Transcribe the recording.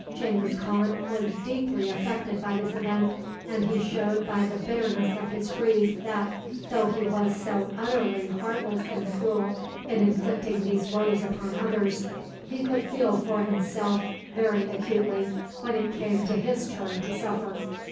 Genghis Khan was deeply affected by this event, and he showed by the bitterness of his grief that, though he was so utterly heartless and cruel in inflicting these woes upon others, he could feel for himself very acutely when it came to his turn to suffer.